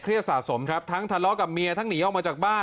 สะสมครับทั้งทะเลาะกับเมียทั้งหนีออกมาจากบ้าน